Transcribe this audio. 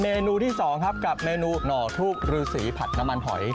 เมนูที่๒ครับกับเมนูหน่อทูบรือสีผัดน้ำมันหอย